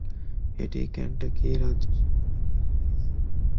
এটি কেন্টাকি রাজ্যের সীমানা ঘিরে রেখেছে।